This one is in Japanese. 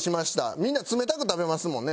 みんな冷たく食べますもんね？